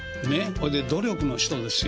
ほいで努力の人ですよ。